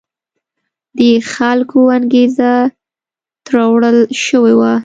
د خلکو انګېزه تروړل شوې وه.